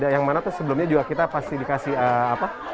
yang mana tuh sebelumnya juga kita pasti dikasih apa